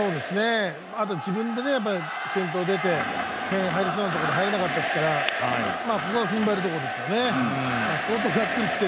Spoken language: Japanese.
あと自分で戦闘出て、点入りそうなところで入らなかったですからここはふんばるところですよね。